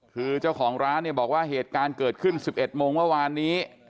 คือเจ้าของร้านเนี่ยบอกว่าเหตุการณ์เกิดขึ้น๑๑โมงเมื่อวานนี้